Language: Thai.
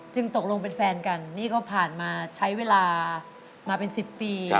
ตกลงเป็นแฟนกันนี่ก็ผ่านมาใช้เวลามาเป็น๑๐ปี